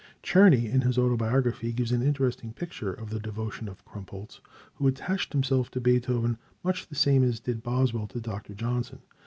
Czerny, in his autobiography, gives an interesting picture of the devotion of Krumpholz, who attached himself to Beethoven much the same as did Boswell to Dr. Johnson.